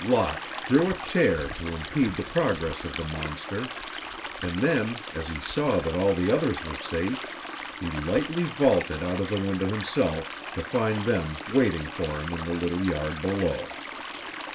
Locke threw a chair to impede the progress of the monster, and then, as he saw that all the others were safe, he lightly vaulted out of the window himself, to find them waiting for him in the little yard below.